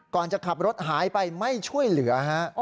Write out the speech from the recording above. ก่อนจะขับรถหายไปไม่ช่วยเหลือฮะ